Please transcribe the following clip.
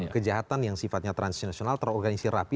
kejahatan yang sifatnya transnasional terorganisir rapi